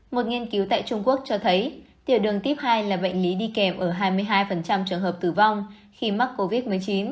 một nghiên cứu tại trung quốc cho thấy tiểu đường tuyếp hai là bệnh lý đi kèm ở hai mươi hai trường hợp tử vong khi mắc covid một mươi chín